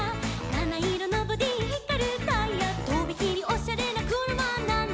「なないろのボディひかるタイヤ」「とびきりオシャレなくるまなんだ」